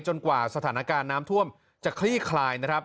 กว่าสถานการณ์น้ำท่วมจะคลี่คลายนะครับ